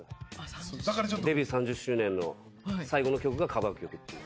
デビュー３０周年の最後の曲がカバー曲っていう。